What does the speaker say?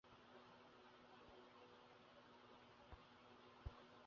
বিপ্রদাস বাঘ-শিকারে জেলার মধ্যে সব-সেরা।